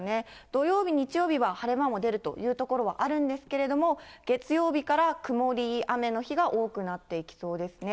土曜日、日曜日は晴れ間も出るという所はあるんですけれども、月曜日から曇り、雨の日が多くなっていきそうですね。